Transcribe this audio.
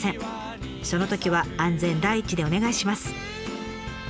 そのときは安全第一でお願いします。